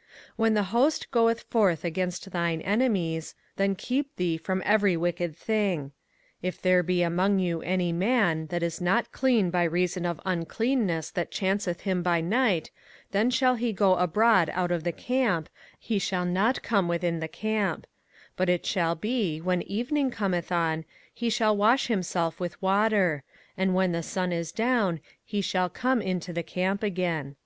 05:023:009 When the host goeth forth against thine enemies, then keep thee from every wicked thing. 05:023:010 If there be among you any man, that is not clean by reason of uncleanness that chanceth him by night, then shall he go abroad out of the camp, he shall not come within the camp: 05:023:011 But it shall be, when evening cometh on, he shall wash himself with water: and when the sun is down, he shall come into the camp again.